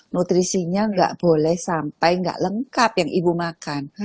nutrisinya gak boleh sampai gak lengkap yang ibu makan